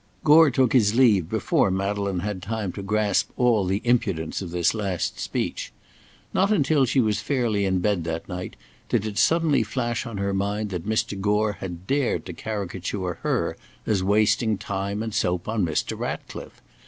Gore took his leave before Madeleine had time to grasp all the impudence of this last speech. Not until she was fairly in bed that night did it suddenly flash on her mind that Mr. Gore had dared to caricature her as wasting time and soap on Mr. Ratcliffe.